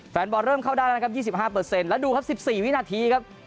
แฟนบอลเริ่มเข้าได้แล้วนะครับ๒๕แล้วดูครับ๑๔วินาทีครับ